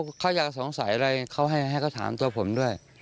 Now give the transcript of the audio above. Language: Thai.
เขาอยากสงสัยอะไรเขาให้เขาถามตัวผมด้วย